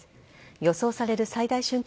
予想される最大瞬間